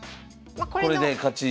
これで勝ち？